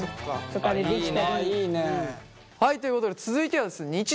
はいということで続いてはですね